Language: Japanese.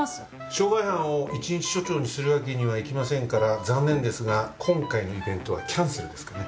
傷害犯を１日署長にするわけにはいきませんから残念ですが今回のイベントはキャンセルですかね？